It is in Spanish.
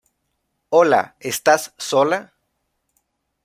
Hola, ¿estás sola?